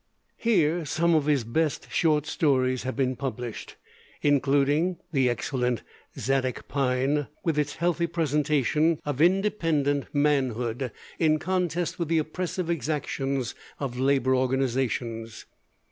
Here some of his best short stories have been published, including the excellent 'Zadoc Pine,' with its healthy presentation of independent manhood in contest with the oppressive exactions of labor organizations.